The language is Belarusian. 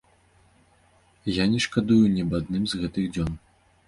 І я не шкадую ні аб адным з гэтых дзён.